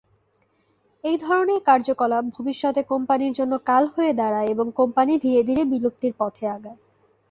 এই ধরনের কার্যকলাপ ভবিষ্যতে কোম্পানির জন্য কাল হয়ে দাড়ায় এবং কোম্পানি ধীরে ধীরে বিলুপ্তির পথে আগায়।